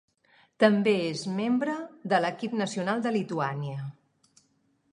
També és membre de l'equip nacional de Lituània.